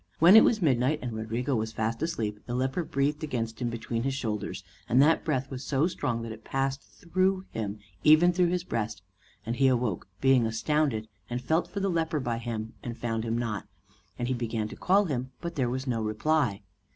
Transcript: When it was midnight and Rodrigo was fast asleep, the leper breathed against him between his shoulders, and that breath was so strong that it passed through him, even through his breast; and he awoke, being astounded, and felt for the leper by him, and found him not; and he began to call him, but there was no reply.